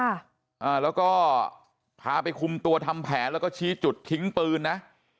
อ่าแล้วก็พาไปคุมตัวทำแผนแล้วก็ชี้จุดทิ้งปืนนะ